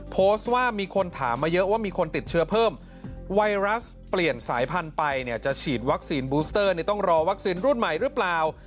โพสต์ว่ามีคนถามมาเยอะว่ามีคนติดเชื้อเพิ่มไวรัสเปลี่ยนสายพันธุ์ไปเนี่ยจะฉีดวัคซีนบูสเตอร์ต้องรอวัคซีนรุ่นใหม่หรือเปล่า